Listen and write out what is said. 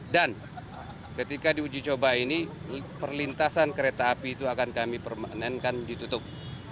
dan ketika di uji coba ini perlintasan kereta api itu akan kami permanenkan ditutup